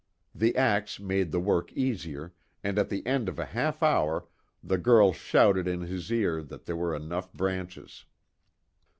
The ax made the work easier, and at the end of a half hour the girl shouted in his ear that there were enough branches.